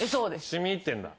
しみいってんだ？